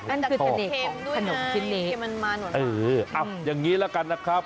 นั่นคือเทรดของขนมชิ้นเนคอย่างนี้ละกันนะครับ